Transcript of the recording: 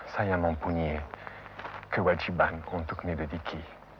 saya mempunyai kewajiban untuk diduduki